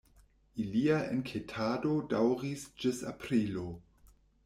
Ilia enketado daŭris ĝis aprilo.